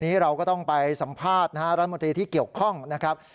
เราก็ต้องไปสัมภาษณ์นะฮะรัฐมนตรีที่เกี่ยวข้องนะครับ